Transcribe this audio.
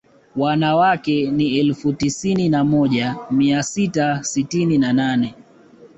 Wanawake ni elfu tisini na moja mia sita sitini na nane